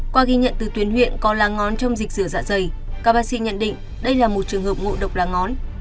qua ghi nhận từ tuyến huyện có lá ngón trong dịch rửa dạ dày các bác sĩ nhận định đây là một trường hợp ngộ độc lá ngón